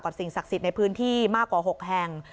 สิ่งศักดิ์สิทธิ์ในพื้นที่มากกว่า๖แห่ง